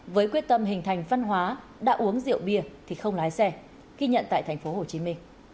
với quyết tâm hình thành văn hóa đã uống rượu bia thì không lái xe ghi nhận tại tp hcm